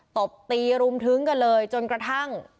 ตบตีรุมทึ้งกันเลยจนกระทั่ง